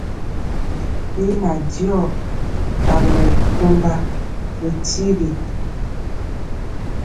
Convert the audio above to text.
Bina diɔ tabɛne bɛtɔmba ri tyigi.